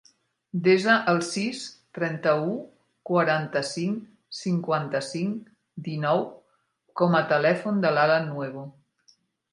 Desa el sis, trenta-u, quaranta-cinc, cinquanta-cinc, dinou com a telèfon de l'Alan Nuevo.